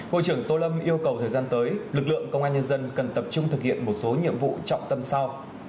bộ trưởng tô lâm yêu cầu thời gian tới lực lượng công an nhân dân cần tập trung thực hiện một số nhiệm vụ trọng tâm sau